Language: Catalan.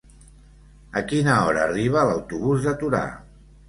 A quina hora arriba l'autobús de Torà?